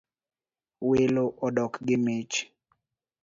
Welo odok gi mich